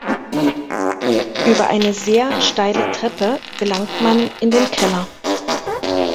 Über eine sehr steile Treppe gelangt man in den Keller.